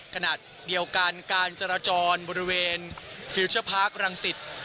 ขณะเดียวกันการจราจรบริเวณฟิลเจอร์พาร์ครังสิต